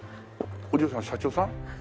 お嬢さん社長さん？